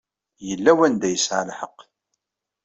Yella wanda yesɛa lḥeqq.